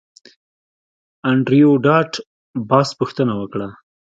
انډریو ډاټ باس پوښتنه وکړه